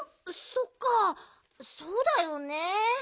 そっかそうだよね。